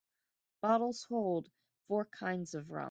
Bottles hold four kinds of rum.